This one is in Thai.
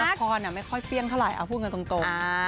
ละครเนี้ยไม่ค่อยเปี้ยงเท่าไรเอาผู้เงินตรงตรงอ่า